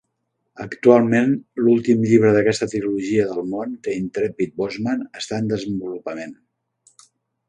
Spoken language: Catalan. Actualment l'últim llibre d'aquesta "trilogia del món", "The Intrepid Boatsman", està en desenvolupament.